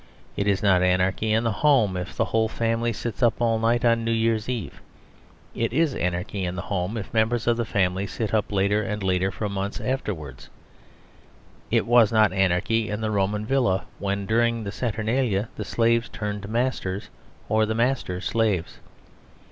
It is not anarchy in the home if the whole family sits up all night on New Year's Eve. It is anarchy in the home if members of the family sit up later and later for months afterwards. It was not anarchy in the Roman villa when, during the Saturnalia, the slaves turned masters or the masters slaves.